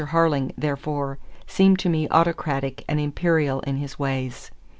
Harling, therefore, seemed to me autocratic and imperial in his ways.